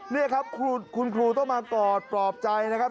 นี่ครับคุณครูต้องมากอดปลอบใจนะครับ